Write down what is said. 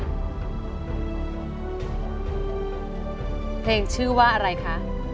เพลงชื่อว่าอะไรคะ